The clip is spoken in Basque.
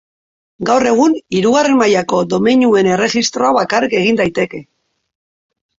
Gaur egun, hirugarren mailako domeinuen erregistroa bakarrik egin daiteke.